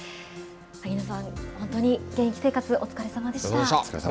萩野さん、本当に現役生活お疲れさまでした。